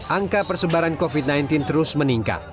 angka persebaran covid sembilan belas terus meningkat